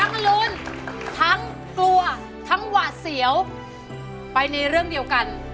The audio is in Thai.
อรุณทั้งกลัวทั้งหวาดเสียวไปในเรื่องเดียวกัน